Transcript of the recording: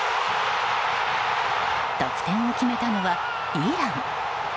得点を決めたのはイラン。